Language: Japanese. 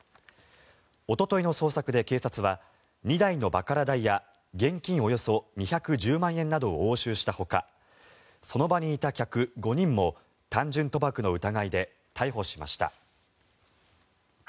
おとといの捜索で警察は２台のバカラ台や現金およそ２１０万円などを押収したほかその場にいた客５人も単純賭博の疑いで逮捕しました。